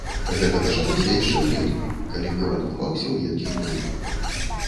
Гэта пачалося яшчэ ўлетку, калі горад купаўся ў едкім пылу.